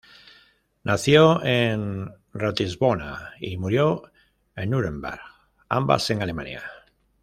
Nació en Ratisbona y murió en Nuremberg, ambas en Alemania.